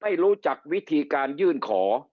ไม่รู้จักวิธีการยื่นขอ